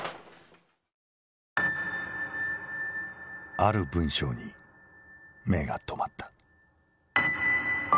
ある文章に目が留まった。